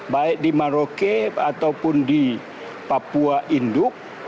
baik di maroke ataupun di papua induk